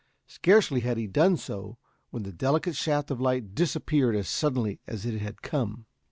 Scarcely had he done so when the delicate shaft of light disappeared as suddenly as it had come.